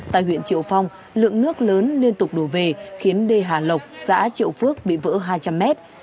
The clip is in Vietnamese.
tại huyện triệu phong lượng nước lớn liên tục đổ về khiến đê hà lộc xã triệu phước bị vỡ hai trăm linh mét